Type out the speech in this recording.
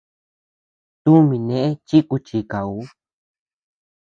Tumi neʼe chi kuchikauu.